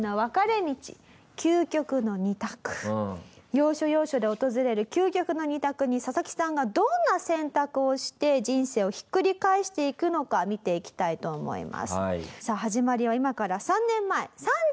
要所要所で訪れる究極の２択にササキさんがどんな選択をして人生をひっくり返していくのか見ていきたいと思います。